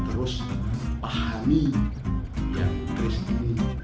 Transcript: terus pahami yang kris ini